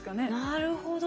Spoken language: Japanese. なるほど。